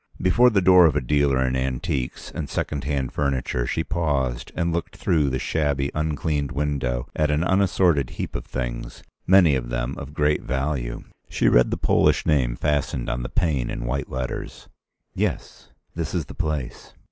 Before the door of a dealer in antiques and second hand furniture she paused and looked through the shabby uncleaned window at an unassorted heap of things, many of them of great value. She read the Polish name fastened on the pane in white letters. "Yes; this is the place."